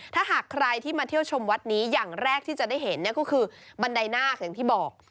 ถ้าหากใครที่มาเที่ยวชมวัดนี้อย่างแรกที่จะได้เห็นก็คือบันไดนาคอย่างที่บอก